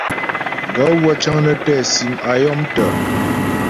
Gaə̂ wə́ cə́ŋ nə́ tɛ́ sim a yɔ̀mtə́.